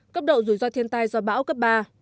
cấp độ rủi ro thiên tai do bão cấp ba